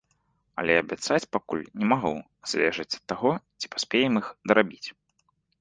Але абяцаць пакуль не магу, залежыць ад таго, ці паспеем іх дарабіць.